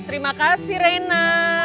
terima kasih rena